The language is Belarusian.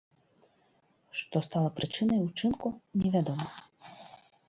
Што стала прычынай учынку, невядома.